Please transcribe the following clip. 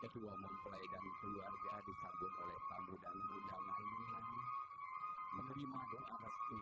dengan penuh senyum dan sukacita lo padahal ibu